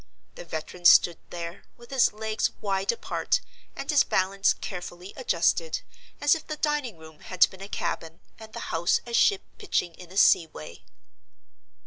The veteran stood there, with his legs wide apart and his balance carefully adjusted, as if the dining room had been a cabin, and the house a ship pitching in a sea way.